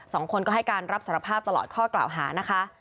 สองคนก็ให้การรับสารภาพตลอดข้อกล่าวหานะคะ